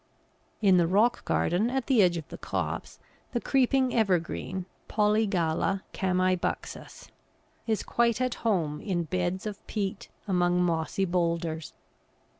In the rock garden at the edge of the copse the creeping evergreen Polygala chamæbuxus is quite at home in beds of peat among mossy boulders.